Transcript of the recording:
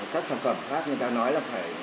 các sản phẩm khác người ta nói là phải